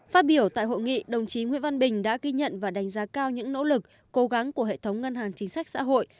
phát biểu tại hội nghị đồng chí nguyễn văn bình đã ghi nhận và đánh giá cao những nỗ lực cố gắng của hệ thống ngân hàng chính sách xã hội